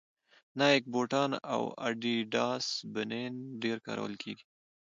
نایک بوټان او اډیډاس بنېن ډېر کارول کېږي